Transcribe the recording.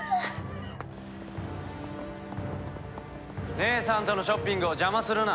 姉さんとのショッピングを邪魔するな。